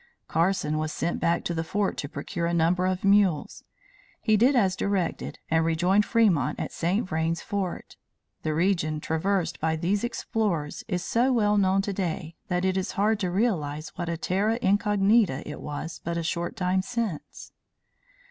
Carson was sent back to the fort to procure a number of mules. He did as directed and rejoined Fremont at St. Vrain's Fort. The region traversed by these explorers is so well known today that it is hard to realize what a terra incognita it was but a short time since.